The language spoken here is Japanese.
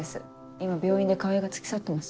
今病院で川合が付き添ってます。